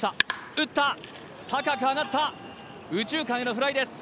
打った高く上がった右中間へのフライです